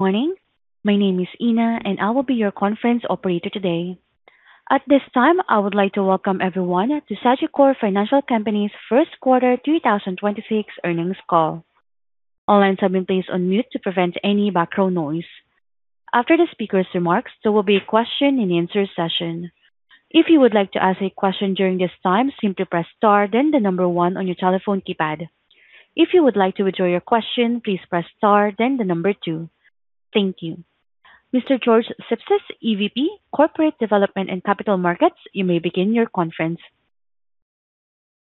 Good morning. My name is Ina, and I will be your conference operator today. At this time, I would like to welcome everyone to Sagicor Financial Company's First Quarter 2026 Earnings Call. All lines have been placed on mute to prevent any background noise. After the speakers' remarks, there will be a question and answer session. If you would like to ask a question during this time, simply press star then one on your telephone keypad. If you would like to withdraw your question, please press star then two. Thank you. Mr. George Sipsis, EVP, Corporate Development and Capital Markets, you may begin your conference.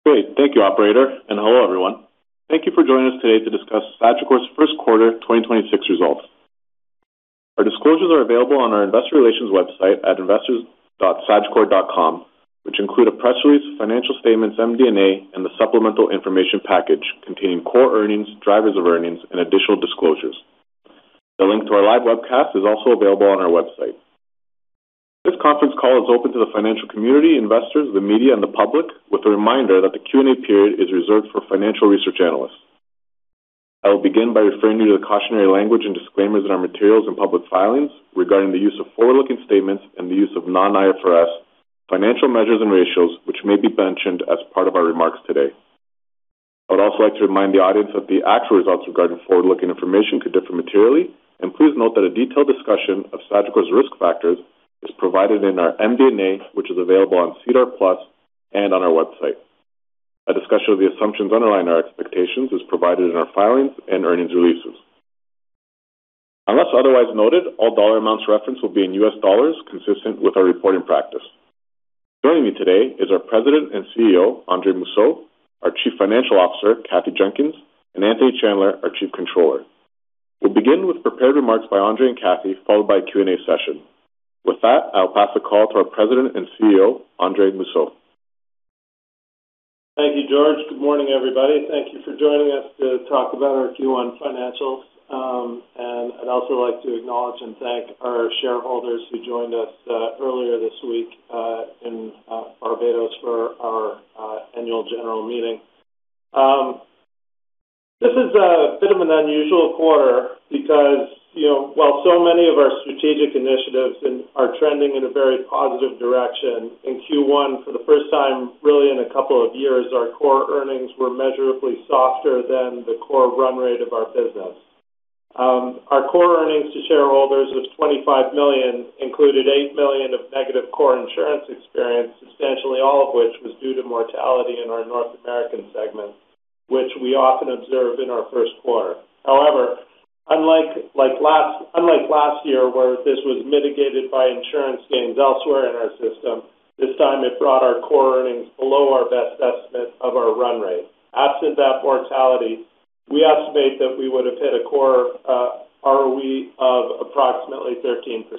Great. Thank you, operator, and hello, everyone. Thank you for joining us today to discuss Sagicor's first-quarter 2026 results. Our disclosures are available on our investor relations website at investors.sagicor.com, which include a press release, financial statements, MD&A, and the supplemental information package containing core earnings, drivers of earnings and additional disclosures. The link to our live webcast is also available on our website. This conference call is open to the financial community, investors, the media, and the public, with a reminder that the Q&A period is reserved for financial research analysts. I will begin by referring you to the cautionary language and disclaimers in our materials and public filings regarding the use of forward-looking statements and the use of non-IFRS financial measures and ratios, which may be mentioned as part of our remarks today. I would also like to remind the audience that the actual results regarding forward-looking information could differ materially, and please note that a detailed discussion of Sagicor's risk factors is provided in our MD&A, which is available on SEDAR+ and on our website. A discussion of the assumptions underlying our expectations is provided in our filings and earnings releases. Unless otherwise noted, all dollar amounts referenced will be in U.S. dollars, consistent with our reporting practice. Joining me today is our President and CEO, Andre Mousseau, our Chief Financial Officer, Kathryn Jenkins, and Anthony Chandler, our Chief Controller. We'll begin with prepared remarks by Andre and Kathryn, followed by a Q&A session. With that, I'll pass the call to our President and CEO, Andre Mousseau. Thank you, George. Good morning, everybody. Thank you for joining us to talk about our Q1 financials. I'd also like to acknowledge and thank our shareholders who joined us earlier this week in Barbados for our Annual General Meeting. This is a bit of an unusual quarter because, you know, while so many of our strategic initiatives are trending in a very positive direction, in Q1, for the first time really in a couple of years, our core earnings were measurably softer than the core run rate of our business. Our core earnings to shareholders of $25 million included $8 million of negative core insurance experience, substantially all of which was due to mortality in our North American segment, which we often observe in our first quarter. However, unlike last year, where this was mitigated by insurance gains elsewhere in our system, this time it brought our core earnings below our best estimate of our run rate. Absent that mortality, we estimate that we would have hit a core ROE of approximately 13%.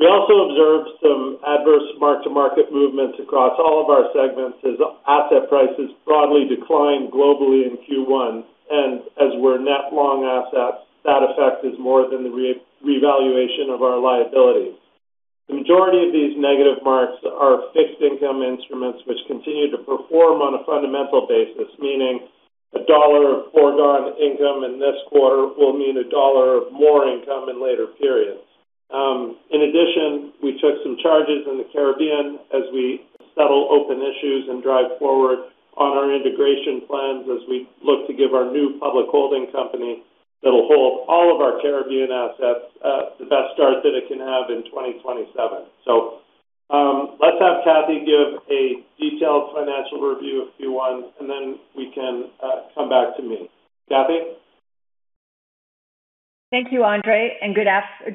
We also observed some adverse mark-to-market movements across all of our segments as asset prices broadly declined globally in Q1. As we're net long assets, that affect is more than the revaluation of our liabilities. The majority of these negative marks are fixed income instruments, which continue to perform on a fundamental basis, meaning $1 of foregone income in this quarter will mean $1 of more income in later periods. In addition, we took some charges in the Caribbean as we settle open issues and drive forward on our integration plans as we look to give our new public holding company that'll hold all of our Caribbean assets, the best start that it can have in 2027. Let's have Kathy give a detailed financial review of Q1, and then we can come back to me. Kathy? Thank you, Andre, and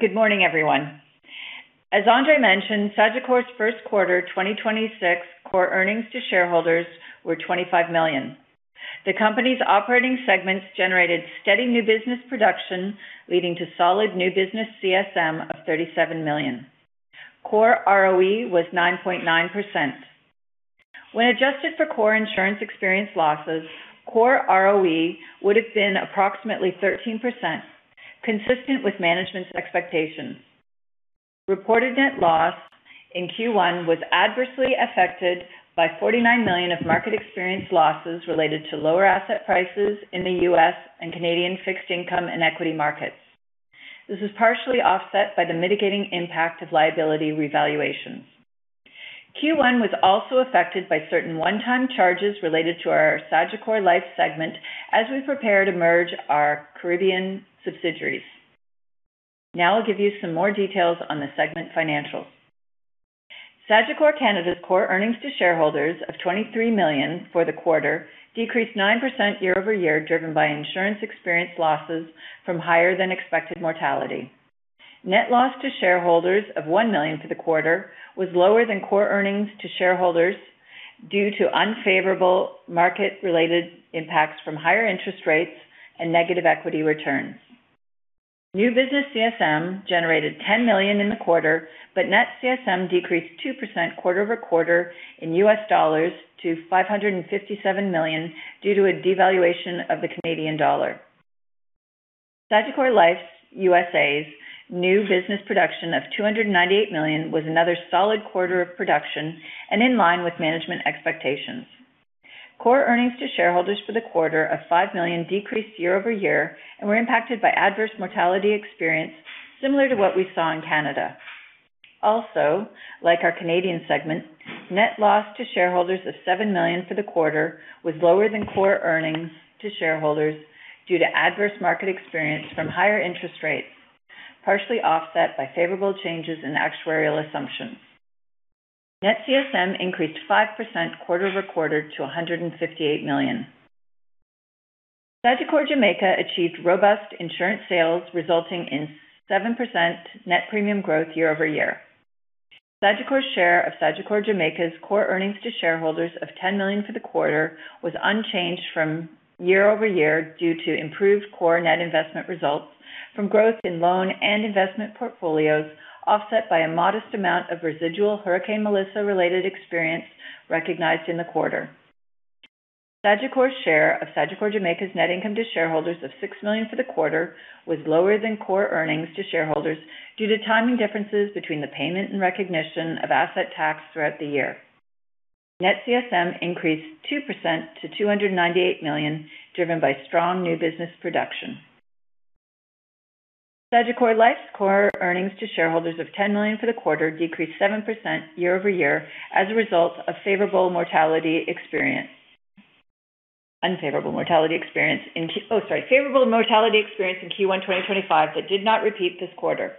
good morning, everyone. As Andre mentioned, Sagicor's first quarter 2026 core earnings to shareholders were $25 million. The company's operating segments generated steady new business production, leading to solid new business CSM of $37 million. Core ROE was 9.9%. When adjusted for core insurance experience losses, core ROE would have been approximately 13%, consistent with management's expectations. Reported net loss in Q1 was adversely affected by $49 million of market experience losses related to lower asset prices in the U.S. and Canadian fixed income and equity markets. This was partially offset by the mitigating impact of liability revaluations. Q1 was also affected by certain one-time charges related to our Sagicor Life segment as we prepare to merge our Caribbean subsidiaries. I'll give you some more details on the segment financials. Sagicor Canada's core earnings to shareholders of $23 million for the quarter decreased 9% year-over-year, driven by insurance experience losses from higher than expected mortality. Net loss to shareholders of $1 million for the quarter was lower than core earnings to shareholders due to unfavorable market-related impacts from higher interest rates and negative equity returns. New business CSM generated $10 million in the quarter, but net CSM decreased 2% quarter-over-quarter in U.S. dollars to $557 million due to a devaluation of the Canadian dollar. Sagicor Life USA's new business production of $298 million was another solid quarter of production and in line with management expectations. Core earnings to shareholders for the quarter of $5 million decreased year-over-year and were impacted by adverse mortality experience similar to what we saw in Canada. Also, like our Canadian segment, net loss to shareholders of $7 million for the quarter was lower than core earnings to shareholders due to adverse market experience from higher interest rates, partially offset by favorable changes in actuarial assumptions. Net CSM increased 5% quarter-over-quarter to $158 million. Sagicor Jamaica achieved robust insurance sales, resulting in 7% net premium growth year-over-year. Sagicor's share of Sagicor Jamaica's core earnings to shareholders of $10 million for the quarter was unchanged from year-over-year due to improved core net investment results from growth in loan and investment portfolios, offset by a modest amount of residual Hurricane Melissa-related experience recognized in the quarter. Sagicor's share of Sagicor Jamaica's net income to shareholders of $6 million for the quarter was lower than core earnings to shareholders due to timing differences between the payment and recognition of asset tax throughout the year. Net CSM increased 2% to $298 million, driven by strong new business production. Sagicor Life's core earnings to shareholders of $10 million for the quarter decreased 7% year-over-year as a result of favorable mortality experience. Favorable mortality experience in Q1 2025 that did not repeat this quarter.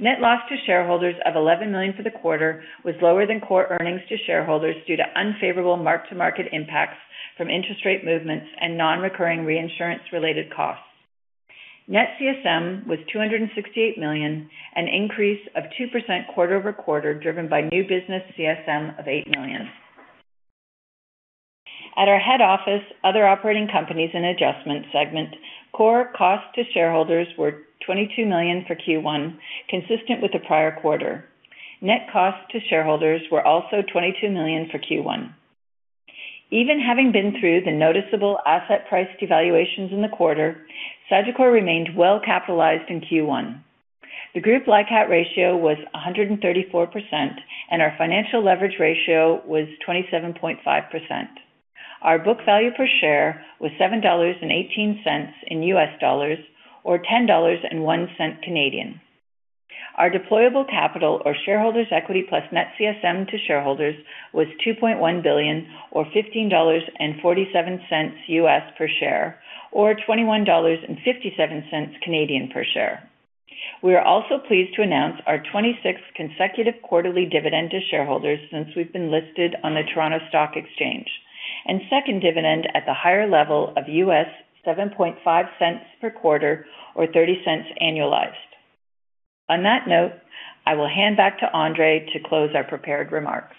Net loss to shareholders of $11 million for the quarter was lower than core earnings to shareholders due to unfavorable mark-to-market impacts from interest rate movements and non-recurring reinsurance-related costs. Net CSM was $268 million, an increase of 2% quarter-over-quarter, driven by new business CSM of $8 million. At our head office, other operating companies and adjustment segment, core costs to shareholders were $22 million for Q1, consistent with the prior quarter. Net costs to shareholders were also $22 million for Q1. Even having been through the noticeable asset price devaluations in the quarter, Sagicor remained well-capitalized in Q1. The group LICAT ratio was 134%, and our financial leverage ratio was 27.5%. Our book value per share was $7.18 or CAD 10.01. Our deployable capital, or shareholders equity plus net CSM to shareholders, was $2.1 billion or $15.47 per share or 21.57 Canadian dollars per share. We are also pleased to announce our 26th consecutive quarterly dividend to shareholders since we've been listed on the Toronto Stock Exchange, and second dividend at the higher level of $0.075 per quarter or $0.30 annualized. On that note, I will hand back to Andre to close our prepared remarks.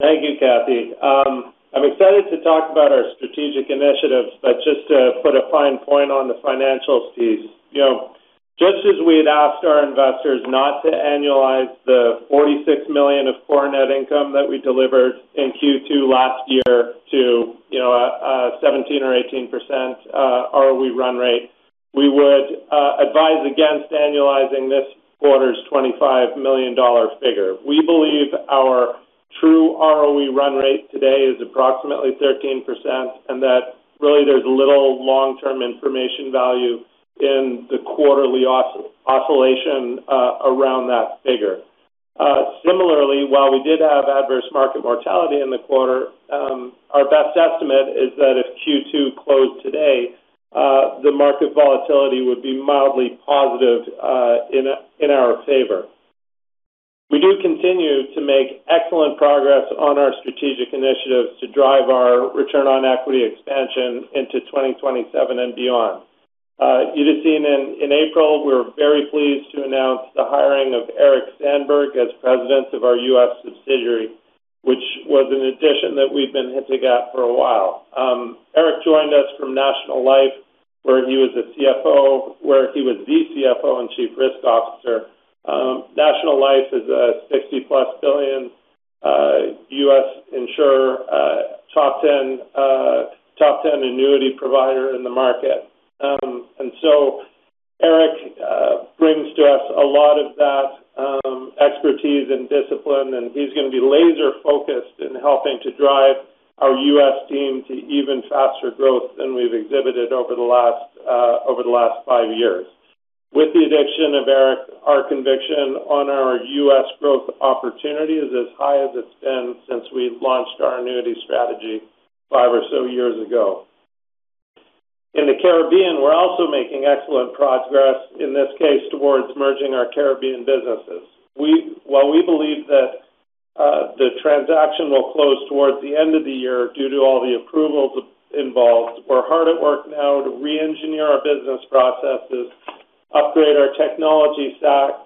Thank you, Kathy. I'm excited to talk about our strategic initiatives, but just to put a fine point on the financials piece. You know, just as we had asked our investors not to annualize the $46 million of Core net income that we delivered in Q2 last year to, you know, 17% or 18% ROE run rate, we would advise against annualizing this quarter's $25 million figure. We believe our true ROE run rate today is approximately 13%, and that really there's little long-term information value in the quarterly oscillation around that figure. Similarly, while we did have adverse market mortality in the quarter, our best estimate is that if Q2 closed today, the market volatility would be mildly positive in our favor. We do continue to make excellent progress on our strategic initiatives to drive our return on equity expansion into 2027 and beyond. You'd have seen in April, we were very pleased to announce the hiring of Eric Sandberg as President of our U.S. subsidiary, which was an addition that we've been hinting at for a while. Eric joined us from National Life, where he was the CFO and Chief Risk Officer. National Life is a $60+ billion U.S. insurer, top 10 annuity provider in the market. Eric brings to us a lot of that expertise and discipline, and he's going to be laser-focused in helping to drive our U.S. team to even faster growth than we've exhibited over the last over the last five years. With the addition of Eric, our conviction on our U.S. growth opportunity is as high as it's been since we launched our annuity strategy five or so years ago. In the Caribbean, we are also making excellent progress, in this case, towards merging our Caribbean businesses. While we believe that the transaction will close towards the end of the year due to all the approvals involved, we are hard at work now to re-engineer our business processes, upgrade our technology stack,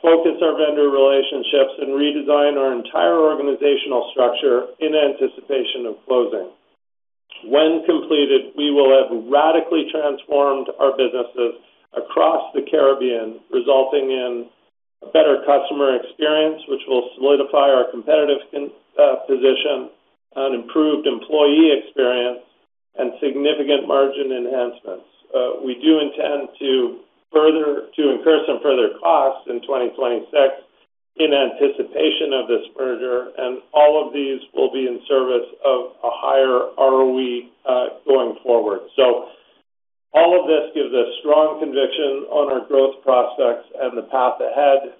focus our vendor relationships, and redesign our entire organizational structure in anticipation of closing. When completed, we will have radically transformed our businesses across the Caribbean, resulting in a better customer experience, which will solidify our competitive position, an improved employee experience, significant margin enhancements. We do intend to incur some further costs in 2026 in anticipation of this merger, and all of these will be in service of a higher ROE going forward. All of this gives us strong conviction on our growth prospects and the path ahead,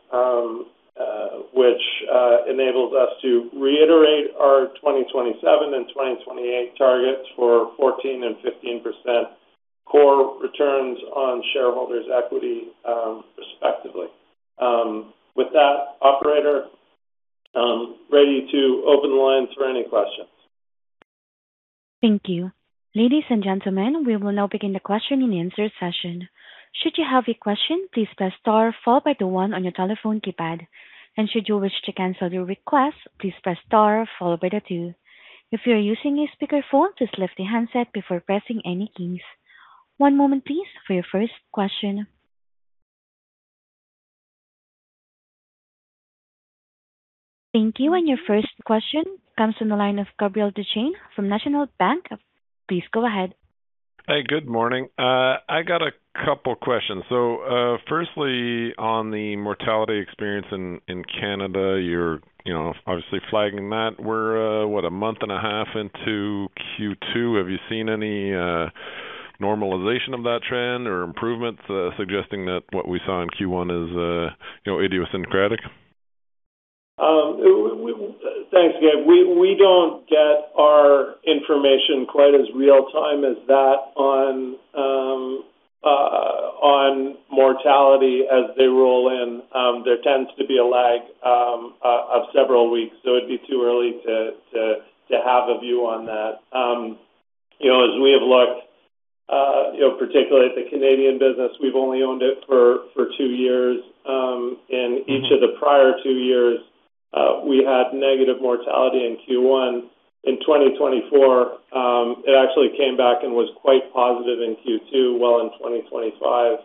which enables us to reiterate our 2027 and 2028 targets for 14% and 15% core returns on shareholders' equity, respectively. With that, operator, ready to open the lines for any questions. Thank you. Ladies and gentlemen, we'll now begin the question and answer session. Should you have the question, please press star followed by the one on your telephone keypad. Should you wish to cancel your request, please press star followed by two. If you are using a speaker phone, just lift the handset before pressing any keys. One moment please for your first question. Thank you and your first question comes from the line of Gabriel Dechaine from National Bank. Please go ahead. Hey, good morning. I got a couple questions. Firstly, on the mortality experience in Canada, you're, you know, obviously flagging that we're, what, 1.5 month into Q2. Have you seen any normalization of that trend or improvements, suggesting that what we saw in Q1 is, you know, idiosyncratic? Thanks, Gabe. We, we don't get our information quite as real-time as that on mortality as they roll in. There tends to be a lag of several weeks, so it'd be too early to have a view on that. You know, as we have looked, you know, particularly at the Canadian business, we've only owned it for two years. In each of the prior two years, we had negative mortality in Q1. In 2024, it actually came back and was quite positive in Q2. While in 2025,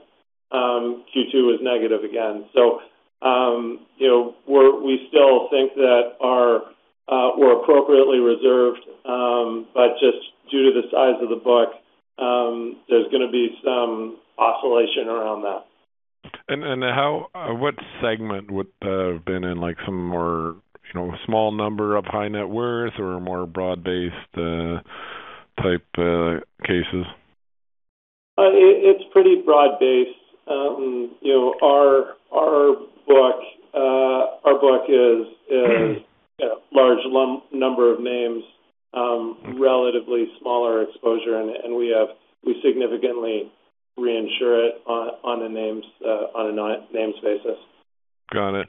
Q2 was negative again. You know, we still think that our, we're appropriately reserved, but just due to the size of the book, there's gonna be some oscillation around that. How what segment would that have been in? Like, some more, you know, small number of high net worth or more broad-based, type, cases? It's pretty broad-based. You know, our book is, you know, large number of names, relatively smaller exposure, and we significantly reinsure it on a names basis. Got it.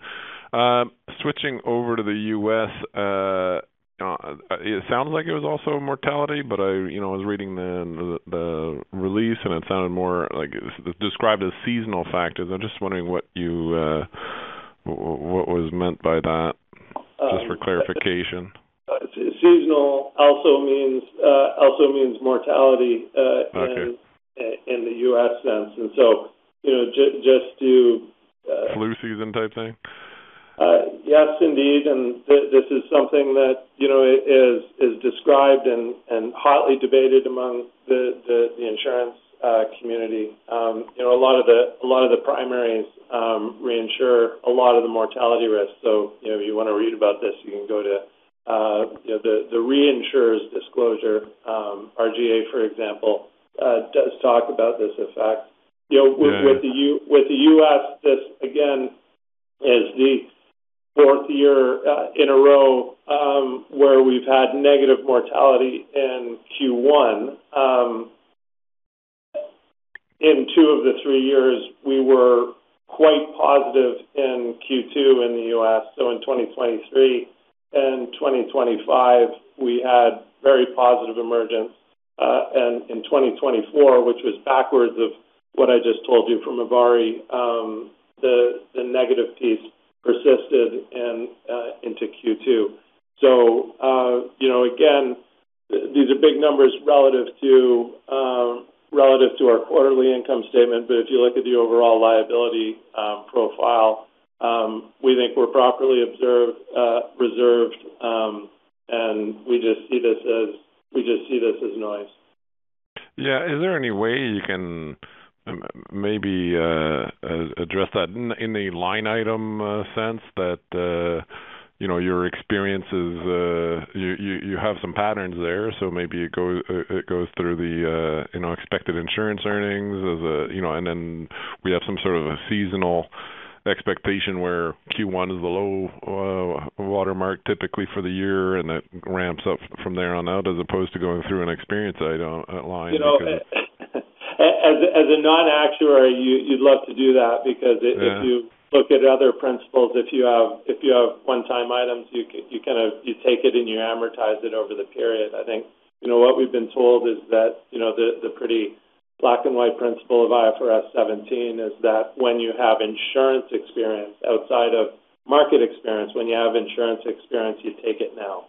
Switching over to the U.S., it sounds like it was also mortality, but I, you know, was reading the release, and it sounded more like it's described as seasonal factors. I'm just wondering what you what was meant by that, just for clarification. Seasonal also means mortality in the U.S. sense. You know, just to. Flu season type thing? Yes, indeed. This is something that, you know, is described and hotly debated among the insurance community. You know, a lot of the primaries reinsure a lot of the mortality risk. You know, if you wanna read about this, you can go to, you know, the reinsurer's disclosure. RGA, for example, does talk about this effect. This again is the fourth year in a row where we've had negative mortality in Q1. In two of the three years, we were quite positive in Q2 in the U.S. In 2023 and 2025, we had very positive emergence. In 2024, which was backwards of what I just told you from ivari, the negative piece persisted into Q2. You know, again, these are big numbers relative to relative to our quarterly income statement. If you look at the overall liability profile, we think we're properly observed, reserved, and we just see this as noise. Yeah. Is there any way you can maybe address that in a line item sense that, you know, your experiences, you have some patterns there, so maybe it goes, it goes through the, you know, expected insurance earnings as a, you know. Then we have some sort of a seasonal expectation where Q1 is the low watermark typically for the year, and it ramps up from there on out as opposed to going through an experience item line because. You know, as a non-actuary, you'd love to do that because if you look at other principles, if you have one-time items, you kind of, you take it and you amortize it over the period. I think, you know, what we've been told is that, you know, the pretty black and white principle of IFRS 17 is that when you have insurance experience outside of market experience, when you have insurance experience, you take it now.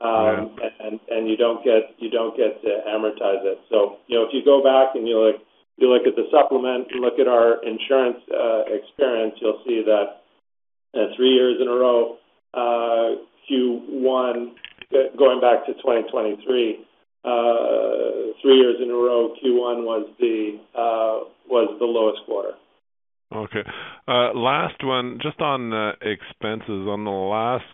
And you don't get to amortize it. You know, if you go back and you look at the supplement, you look at our insurance experience, you'll see that three years in a row, going back to 2023, three years in a row, Q1 was the lowest quarter. Last one. Just on expenses. On the last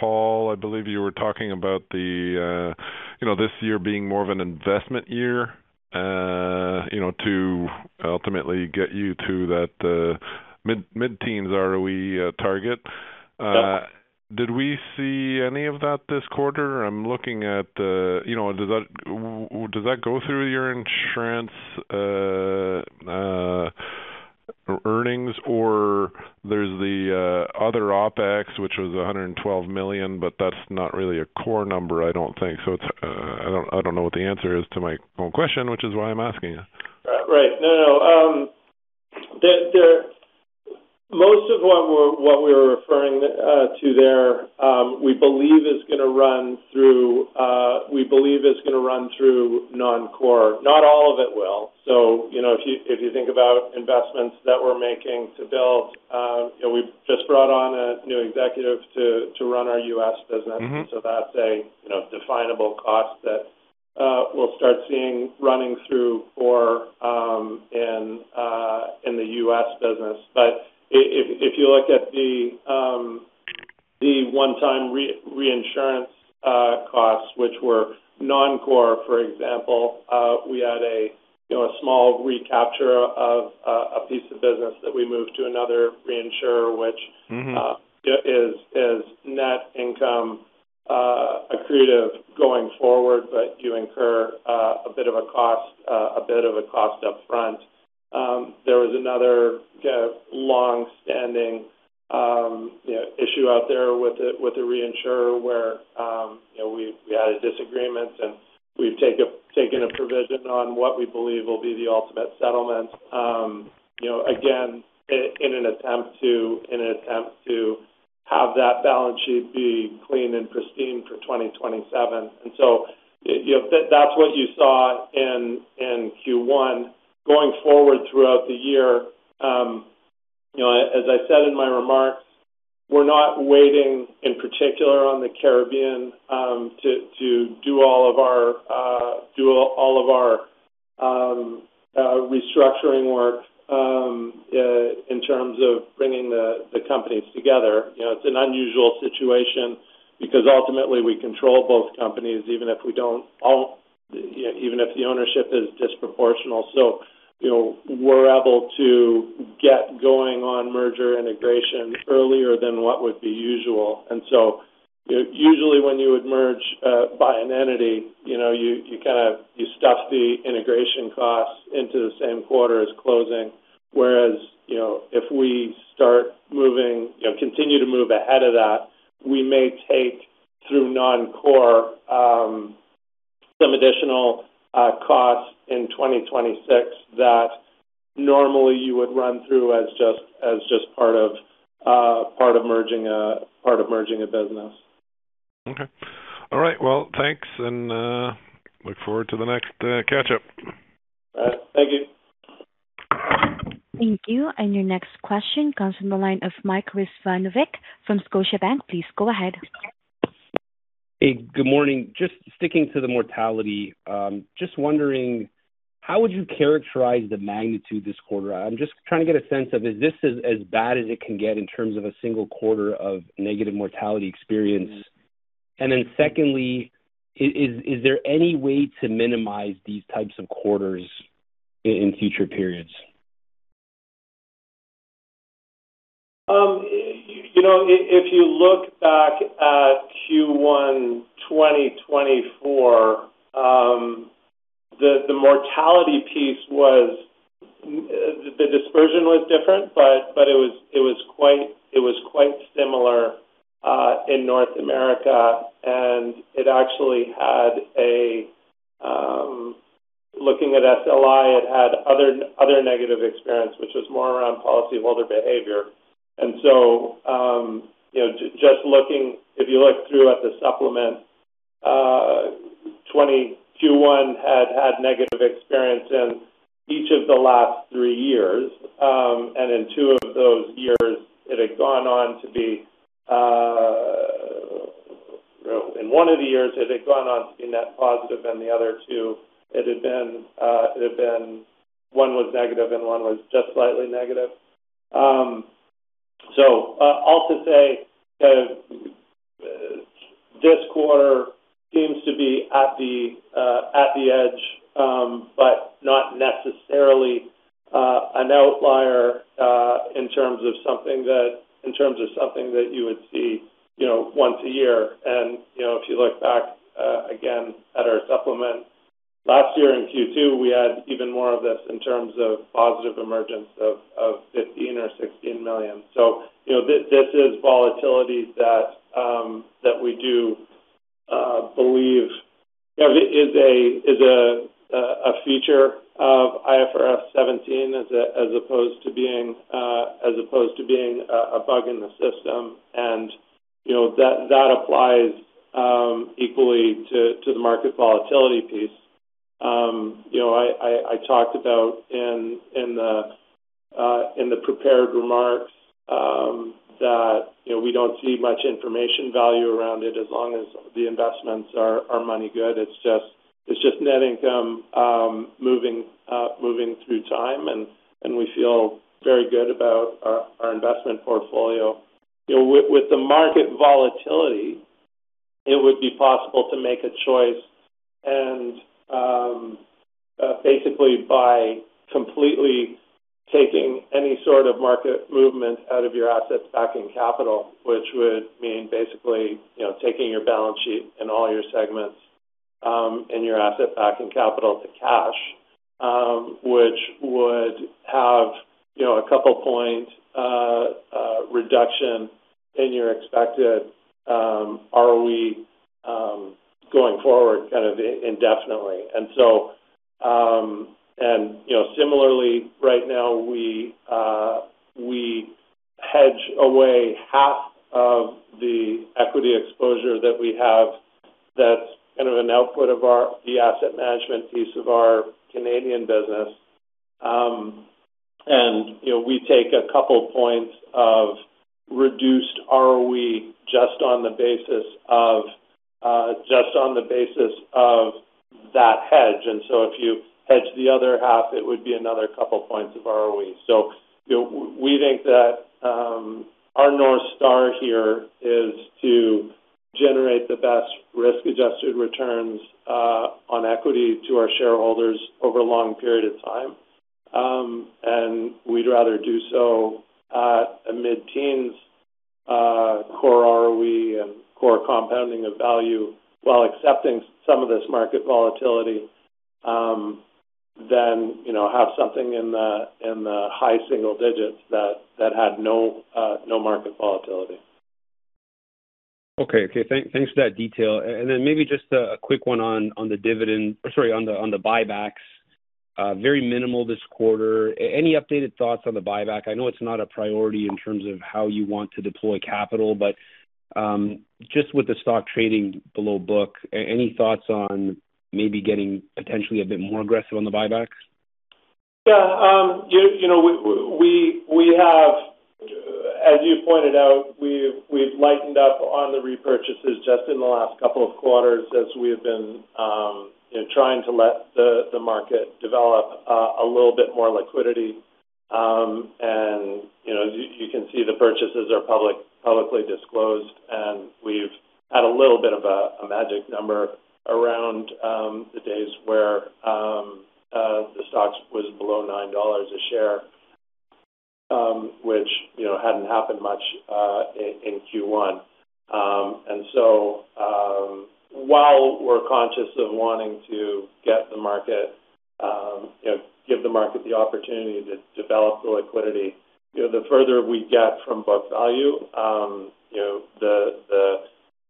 call, I believe you were talking about the, you know, this year being more of an investment year, you know, to ultimately get you to that mid-teens ROE target. Did we see any of that this quarter? I'm looking at, you know, well, does that go through your insurance earnings or there's the other OpEx, which was $112 million, but that's not really a core number I don't think. It's, I don't know what the answer is to my own question, which is why I'm asking you. Right. No. Most of what we're, what we were referring to there, we believe is gonna run through non-core. Not all of it will. You know, if you, if you think about investments that we're making to build, you know, we've just brought on a new executive to run our U.S. business. That's a, you know, definable cost that we'll start seeing running through for in the U.S. business. If you look at the one-time reinsurance costs, which were non-core, for example, we had a, you know, a small recapture of a piece of business that we moved to another reinsurer is net income accretive going forward, you incur a bit of a cost up front. There was another longstanding, you know, issue out there with a reinsurer where, you know, we had a disagreement, we've taken a provision on what we believe will be the ultimate settlement, you know, again, in an attempt to have that balance sheet be clean and pristine for 2027. You know, that's what you saw in Q1. Going forward throughout the year, you know, as I said in my remarks, we're not waiting in particular on the Caribbean to do all of our restructuring work in terms of bringing the companies together. You know, it's an unusual situation because ultimately we control both companies even if we don't own, you know, even if the ownership is disproportional. You know, we're able to get going on merger integration earlier than what would be usual. Usually when you would merge by an entity, you know, you kind of stuff the integration costs into the same quarter as closing. Whereas, you know, if we start moving, you know, continue to move ahead of that, we may take through non-core some additional costs in 2026 that normally you would run through as just part of merging a business. Okay. All right. Well, thanks, and look forward to the next catch up. All right. Thank you. Thank you. Your next question comes from the line of Mike Rizvanovic from Scotiabank. Please go ahead. Hey, good morning. Just sticking to the mortality, just wondering how would you characterize the magnitude this quarter? I'm just trying to get a sense of, is this as bad as it can get in terms of a single quarter of negative mortality experience? Secondly, is there any way to minimize these types of quarters in future periods? You know, if you look back at Q1 2024, the mortality piece was the dispersion was different, but it was quite similar in North America. It actually had a Looking at SLI, it had other negative experience, which was more around policyholder behavior. You know, if you look through at the supplement, Q1 had negative experience in each of the last three years. In two of those years, it had gone on to be, you know, in one of the years, it had gone on to be net positive. In the other two, it had been one was negative and one was just slightly negative. All to say, this quarter seems to be at the edge, but not necessarily an outlier in terms of something that you would see, you know, once a year. You know, if you look back again at our supplement, last year in Q2, we had even more of this in terms of positive emergence of $15 million or $16 million. You know, this is volatility that we do believe, you know, is a feature of IFRS 17 as opposed to being a bug in the system. You know, that applies to the market volatility piece. You know, I talked about in the prepared remarks that, you know, we don't see much information value around it as long as the investments are money good. It's just net income moving through time, and we feel very good about our investment portfolio. You know, with the market volatility, it would be possible to make a choice and basically by completely taking any sort of market movement out of your assets backing capital, which would mean basically, you know, taking your balance sheet and all your segments and your asset backing capital to cash. Which would have, you know, a couple point reduction in your expected ROE going forward kind of indefinitely. You know, similarly, right now we hedge away half of the equity exposure that we have that's kind of an output of the asset management piece of our Canada business. You know, we take a couple points of reduced ROE just on the basis of just on the basis of that hedge. If you hedge the other half, it would be another couple points of ROE. You know, we think that our North Star here is to generate the best risk-adjusted returns on equity to our shareholders over a long period of time. We'd rather do so at a mid-teens, Core ROE and core compounding of value while accepting some of this market volatility, than, you know, have something in the high single digits that had no market volatility. Okay. Okay, thanks for that detail. Maybe just a quick one on the dividend or sorry, on the buybacks. Very minimal this quarter. Any updated thoughts on the buyback? I know it's not a priority in terms of how you want to deploy capital, but, just with the stock trading below book, any thoughts on maybe getting potentially a bit more aggressive on the buybacks? Yeah. You know, we have, as you pointed out, we've lightened up on the repurchases just in the last couple of quarters as we have been, you know, trying to let the market develop a little bit more liquidity. You know, you can see the purchases are publicly disclosed, and we've had a little bit of a magic number around the days where the stock was below $9 a share, which, you know, hadn't happened much in Q1. While we're conscious of wanting to get the market, you know, give the market the opportunity to develop the liquidity, you know, the further we get from book value, you know,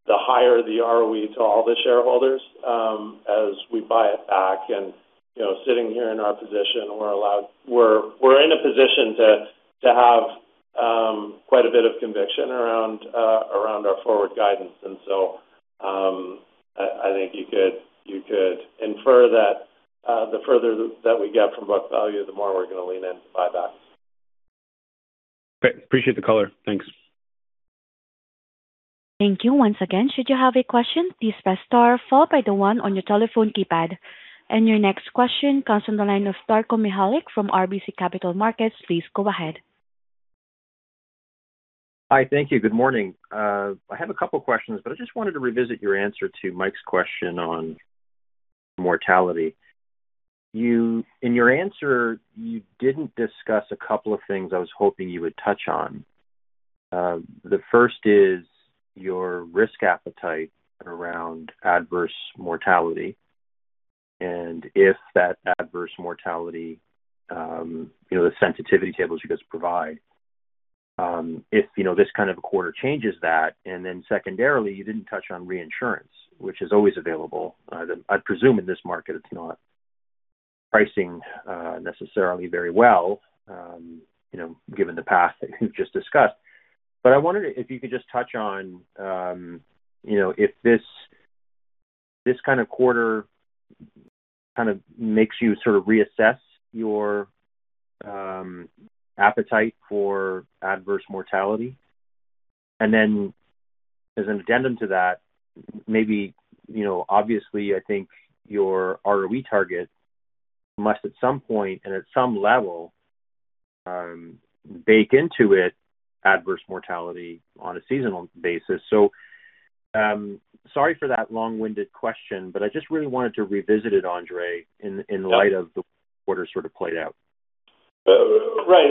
the higher the ROE to all the shareholders as we buy it back. You know, sitting here in our position, we're in a position to have quite a bit of conviction around our forward guidance. I think you could infer that the further that we get from book value, the more we're gonna lean in to buyback. Great. Appreciate the color. Thanks. Thank you. Once again, should you have a question, please press star followed by the one on your telephone keypad. Your next question comes on the line of Darko Mihelic from RBC Capital Markets. Please go ahead. Hi. Thank you. Good morning. I have a couple questions. I just wanted to revisit your answer to Mike's question on mortality. In your answer, you didn't discuss a couple of things I was hoping you would touch on. The first is your risk appetite around adverse mortality, and if that adverse mortality, you know, the sensitivity tables you guys provide, if, you know, this kind of a quarter changes that. Secondarily, you didn't touch on reinsurance, which is always available. I presume in this market it's not pricing, necessarily very well, you know, given the past that you've just discussed. I wondered if you could just touch on, you know, if this kind of quarter kind of makes you sort of reassess your appetite for adverse mortality. Then as an addendum to that, maybe, you know, obviously, I think your ROE target must at some point and at some level bake into it adverse mortality on a seasonal basis. Sorry for that long-winded question, but I just really wanted to revisit it, Andre, in light of the way the quarter sort of played out. Right.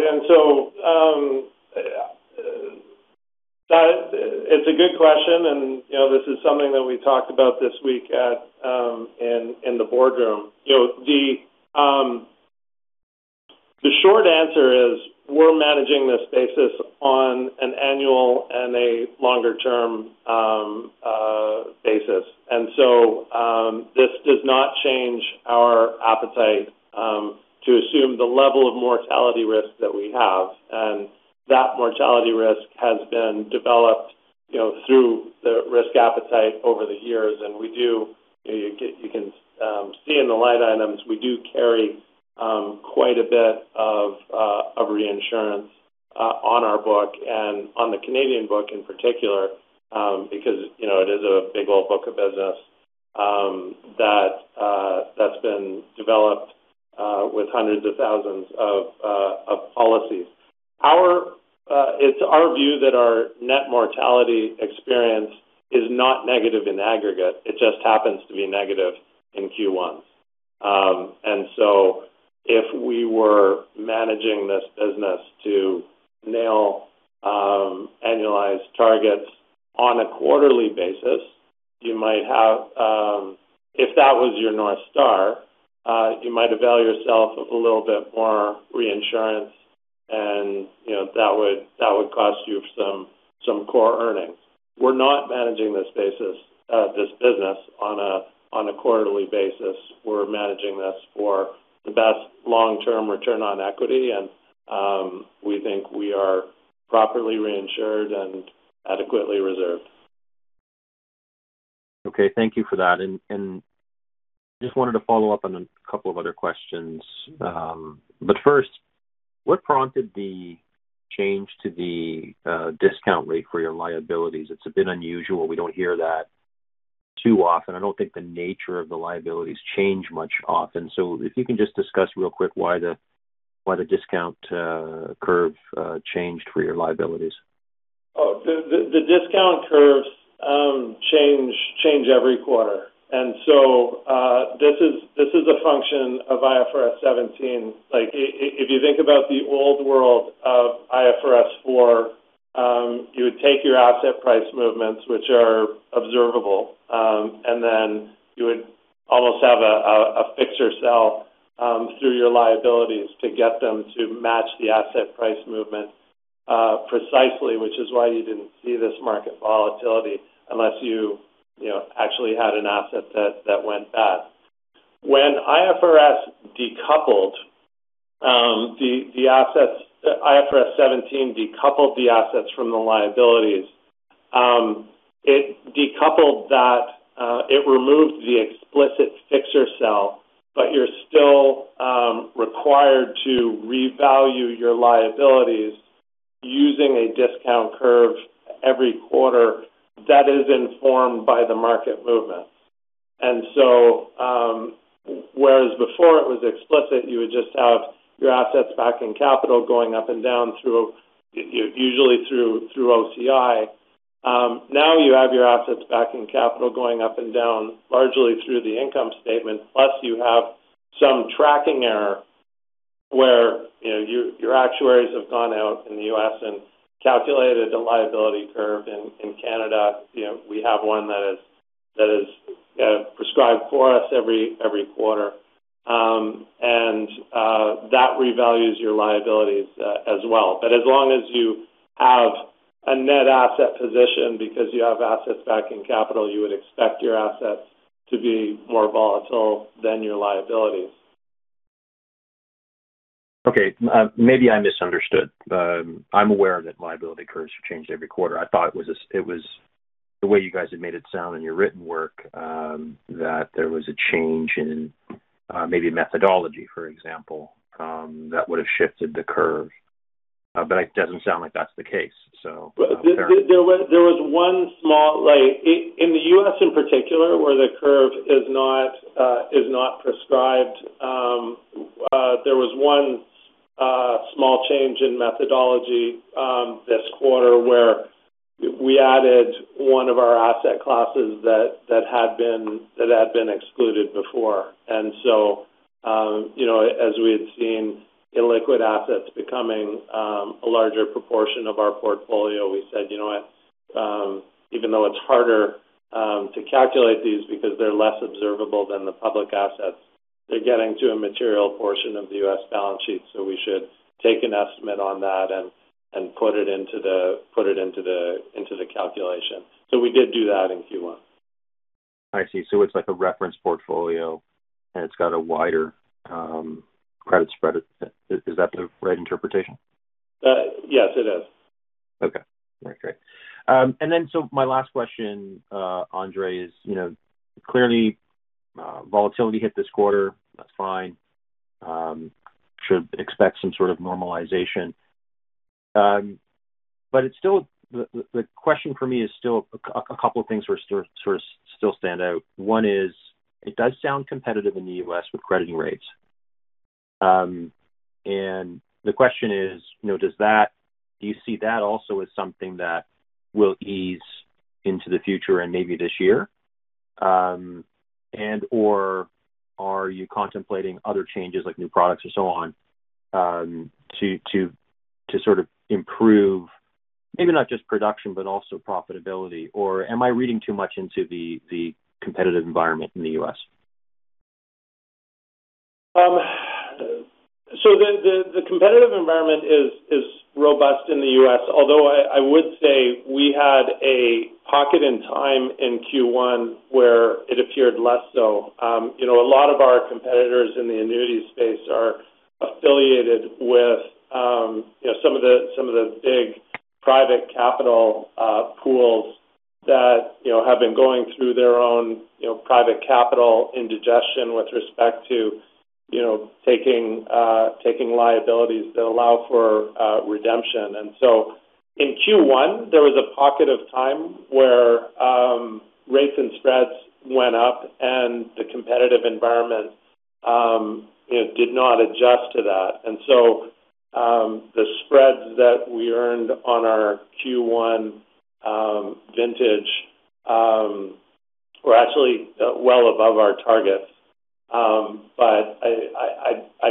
It's a good question and, you know, this is something that we talked about this week at in the boardroom. You know, the short answer is we're managing this basis on an annual and a longer-term basis. This does not change our appetite, mortality risk that we have, and that mortality risk has been developed, you know, through the risk appetite over the years. We do you can see in the line items, we do carry quite a bit of reinsurance on our book and on the Canadian book in particular, because, you know, it is a big old book of business that's been developed with hundreds of thousands of policies. Our, it's our view that our net mortality experience is not negative in aggregate. It just happens to be negative in Q1. If we were managing this business to nail annualized targets on a quarterly basis, you might have, if that was your North Star, you might avail yourself of a little bit more reinsurance and, you know, that would cost you some core earnings. We're not managing this basis, this business on a quarterly basis. We're managing this for the best long-term return on equity and we think we are properly reinsured and adequately reserved. Okay. Thank you for that. Just wanted to follow up on a couple of other questions. First, what prompted the change to the discount rate for your liabilities? It's a bit unusual. We don't hear that too often. I don't think the nature of the liabilities change much often. If you can just discuss real quick why the discount curve changed for your liabilities. The discount curves change every quarter. This is a function of IFRS 17. Like, if you think about the old world of IFRS 4, you would take your asset price movements, which are observable, and then you would almost have a fix-or-sell through your liabilities to get them to match the asset price movement precisely, which is why you didn't see this market volatility unless you know, actually had an asset that went bad. When IFRS 17 decoupled the assets from the liabilities, it decoupled that, it removed the explicit fix-or-sell, but you're still required to revalue your liabilities using a discount curve every quarter that is informed by the market movement. Whereas before it was explicit, you would just have your assets backing capital going up and down through usually through OCI. Now you have your assets backing capital going up and down largely through the income statement. Plus, you have some tracking error where, you know, your actuaries have gone out in the U.S. and calculated a liability curve in Canada. You know, we have one that is prescribed for us every quarter. And that revalues your liabilities as well. As long as you have a net asset position because you have assets backing capital, you would expect your assets to be more volatile than your liabilities. Maybe I misunderstood. I'm aware that liability curves have changed every quarter. I thought it was the way you guys had made it sound in your written work, that there was a change in, maybe methodology, for example, that would have shifted the curve. It doesn't sound like that's the case, so. There was one small. Like, in the U.S. in particular where the curve is not, is not prescribed, there was one small change in methodology this quarter where we added one of our asset classes that had been excluded before. You know, as we had seen illiquid assets becoming a larger proportion of our portfolio, we said, "You know what? Even though it's harder to calculate these because they're less observable than the public assets, they're getting to a material portion of the U.S. balance sheet, so we should take an estimate on that and put it into the calculation." We did do that in Q1. I see. It's like a reference portfolio, and it's got a wider, credit spread. Is that the right interpretation? Yes, it is. Okay. Okay. My last question, Andre, is, you know, clearly, volatility hit this quarter. That's fine. Should expect some sort of normalization. It's still The question for me is still a couple of things were sort of still stand out. One is it does sound competitive in the U.S. with crediting rates. The question is, you know, does that do you see that also as something that will ease into the future and maybe this year, and/or are you contemplating other changes like new products or so on, sort of improve maybe not just production, but also profitability? Am I reading too much into the competitive environment in the U.S.? The competitive environment is robust in the U.S., although we had a pocket in time in Q1 where it appeared less so. A lot of our competitors in the annuity space are affiliated with some of the big private capital pools that have been going through their own private capital indigestion with respect to taking liabilities that allow for redemption. In Q1, there was a pocket of time where rates and spreads went up and the competitive environment did not adjust to that. The spreads that we earned on our Q1 vintage were actually well above our targets. I'd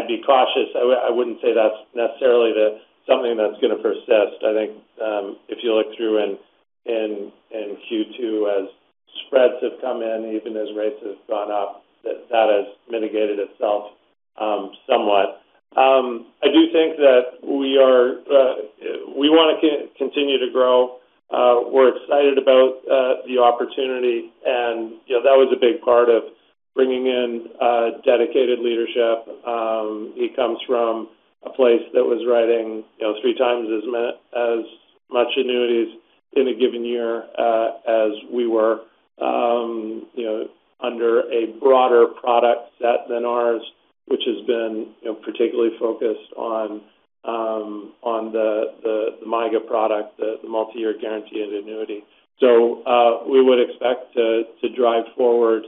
be cautious. I wouldn't say that's necessarily something that's gonna persist. I think, if you look through in Q2 as spreads have come in, even as rates have gone up, that has mitigated itself somewhat. I do think that we are, we wanna continue to grow. We're excited about the opportunity and, you know, that was a big part of bringing in dedicated leadership. He comes from a place that was writing, you know, 3x as much annuities in a given year as we were, you know, under a broader product set than ours, which has been, you know, particularly focused on the MYGA product, the Multi-Year Guaranteed Annuity. We would expect to drive forward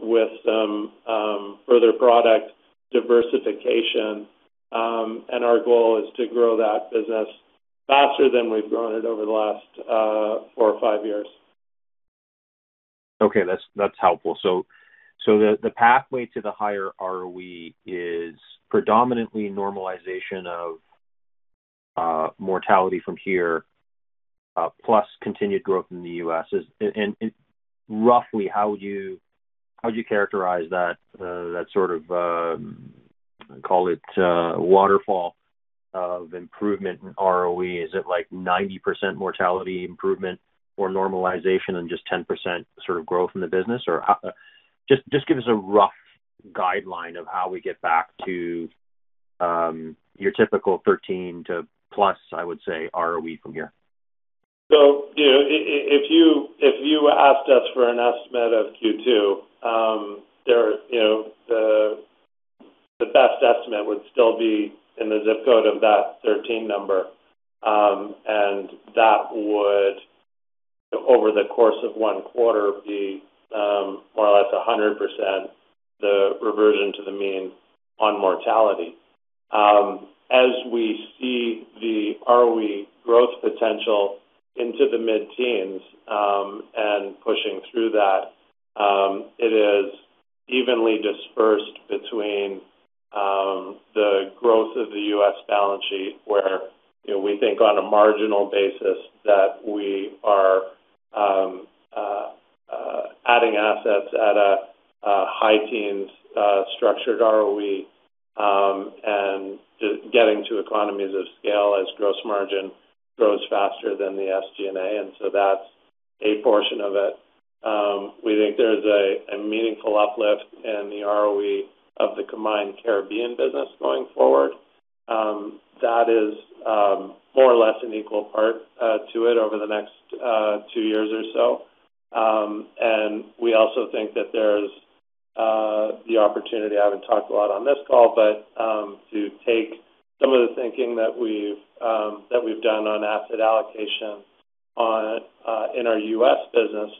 with some further product diversification. Our goal is to grow that business faster than we've grown it over the last four or five years. Okay. That's helpful. The pathway to the higher ROE is predominantly normalization of mortality from here, plus continued growth in the U.S. Roughly, how would you characterize that sort of, call it, waterfall of improvement in ROE? Is it like 90% mortality improvement or normalization and just 10% sort of growth in the business? How? Just give us a rough guideline of how we get back to your typical 13% to plus, I would say, ROE from here. You know, if you asked us for an estimate of Q2, there, you know, the best estimate would still be in the zip code of that 13% number. That would, over the course of 1 quarter, be more or less 100% the reversion to the mean on mortality. As we see the ROE growth potential into the mid-teens, and pushing through that, it is evenly dispersed between the growth of the U.S. balance sheet, where, you know, we think on a marginal basis that we are adding assets at a high teens structured ROE, and getting to economies of scale as gross margin grows faster than the SG&A. That's a portion of it. We think there's a meaningful uplift in the ROE of the combined Caribbean business going forward. That is more or less an equal part to it over the next two years or so. We also think that there's the opportunity, I haven't talked a lot on this call, but to take some of the thinking that we've that we've done on asset allocation on in our U.S. business,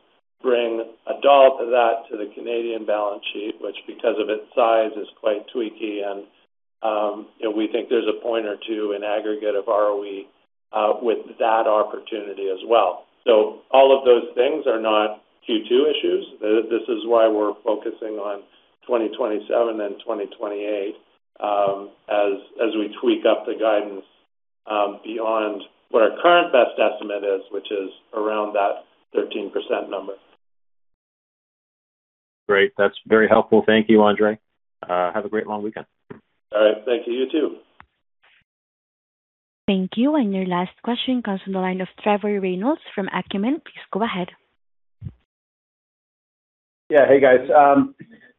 bring a dollop of that to the Canadian balance sheet, which because of its size is quite tweaky and, you know, we think there's a point or two in aggregate of ROE with that opportunity as well. All of those things are not Q2 issues. This is why we're focusing on 2027 and 2028, as we tweak up the guidance beyond what our current best estimate is, which is around that 13% number. Great. That's very helpful. Thank you, Andre. Have a great long weekend. All right. Thank you. You too. Thank you. Your last question comes from the line of Trevor Reynolds from Acumen. Please go ahead. Yeah. Hey, guys.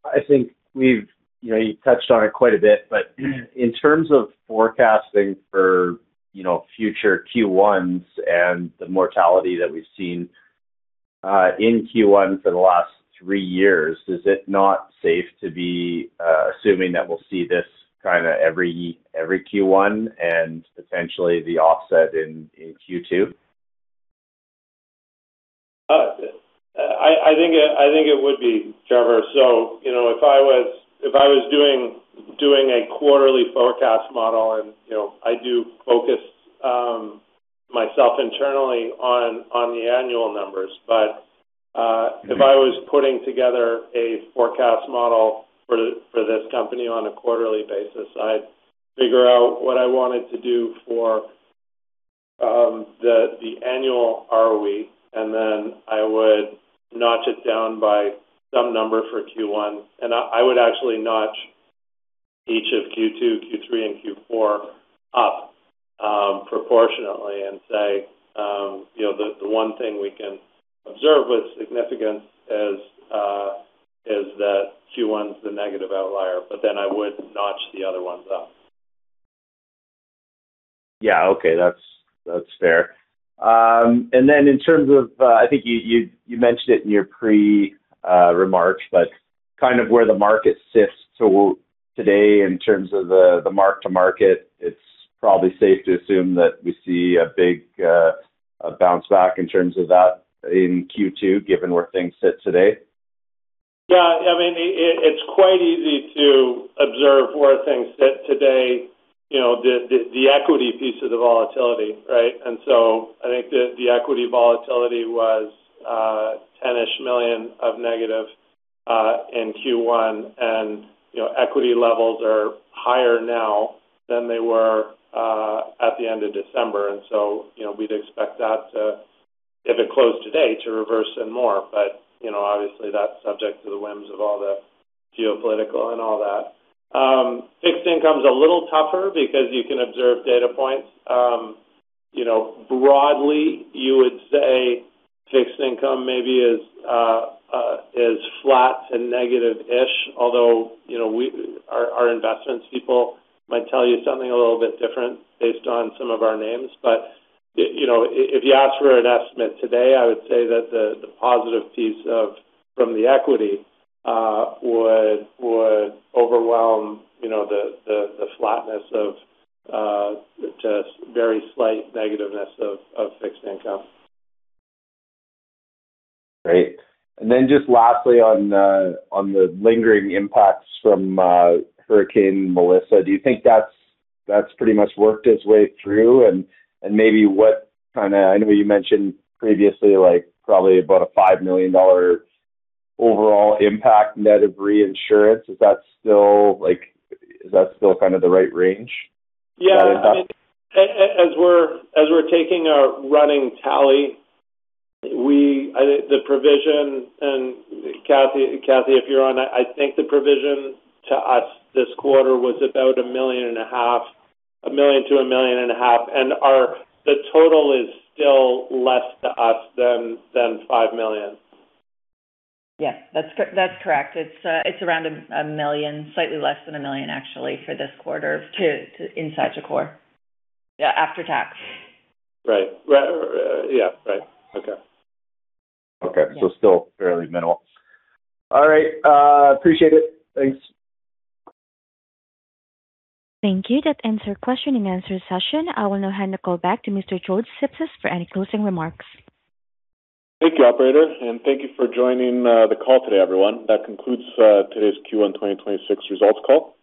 I think you know, you touched on it quite a bit, but in terms of forecasting for, you know, future Q1s and the mortality that we've seen in Q1 for the last three years, is it not safe to be assuming that we'll see this kinda every Q1 and potentially the offset in Q2? I think it would be, Trevor. You know, if I was doing a quarterly forecast model and, you know, I do focus myself internally on the annual numbers. If I was putting together a forecast model for this company on a quarterly basis, I'd figure out what I wanted to do for the annual ROE, and then I would It down by some number for Q1. I would actually notch each of Q2, Q3, and Q4 up proportionately and say, you know, the one thing we can observe with significance is that Q1's the negative outlier, I would notch the other ones up. Yeah. Okay. That's fair. In terms of, I think you mentioned it in your pre remarks, but kind of where the market sits. Today, in terms of the mark-to-market, it's probably safe to assume that we see a big bounce back in terms of that in Q2, given where things sit today? I mean, it's quite easy to observe where things sit today, you know, the equity piece of the volatility, right. I think the equity volatility was $10 million-ish of negative in Q1. You know, equity levels are higher now than they were at the end of December. You know, we'd expect that to, if it closed today, to reverse some more. You know, obviously, that's subject to the whims of all the geopolitical and all that. Fixed income's a little tougher because you can observe data points. You know, broadly, you would say fixed income maybe is flat to negative-ish. Although, you know, our investments people might tell you something a little bit different based on some of our names. You, you know, if you ask for an estimate today, I would say that the positive piece of, from the equity, would overwhelm, you know, the flatness of, the very slight negativeness of fixed income. Great. Just lastly on the lingering impacts from Hurricane Melissa, do you think that's pretty much worked its way through? Maybe what kind of, I know you mentioned previously, like probably about a $5 million overall impact net of reinsurance. Is that still kind of the right range for that impact? Yeah. As we're taking our running tally, I think the provision, and Kathy, if you're on, I think the provision to us this quarter was about $1.5 million , $1 million to $1.5 million. The total is still less to us than $5 million. Yeah. That's correct. It's around $1 million, slightly less than $1 million actually for this quarter to inside the core. Yeah, after tax. Right. Yeah, right. Okay. Okay. Still fairly minimal. All right. Appreciate it. Thanks. Thank you. That ends our question and answer session. I will now hand the call back to Mr. George Sipsis for any closing remarks. Thank you, operator, and thank you for joining the call today, everyone. That concludes today's Q1 2026 results call.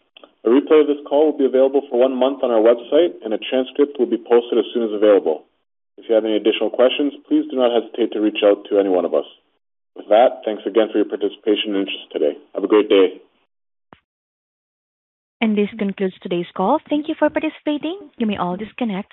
A replay of this call will be available for one month on our website, and a transcript will be posted as soon as available. If you have any additional questions, please do not hesitate to reach out to any one of us. With that, thanks again for your participation and interest today. Have a great day. This concludes today's call. Thank you for participating. You may all disconnect.